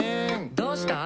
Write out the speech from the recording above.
「どうした？」